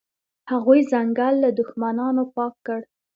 هغوی ځنګل له دښمنانو پاک کړ.